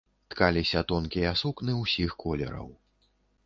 Ткаліся тонкія сукны ўсіх колераў.